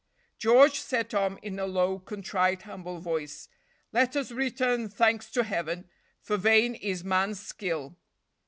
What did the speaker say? "George," said Tom, in a low, contrite, humble voice, "let us return thanks to Heaven, for vain is man's skill."